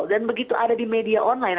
dan begitu ada di media online